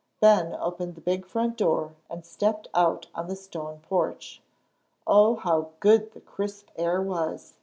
Ben opened the big front door and stepped out on the stone porch. Oh, how good the crisp air was!